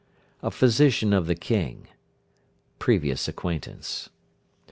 A physician of the King. Previous acquaintance.